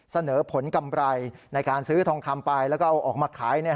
เสนอผลกำไรในการซื้อทองคำไปแล้วก็เอาออกมาขาย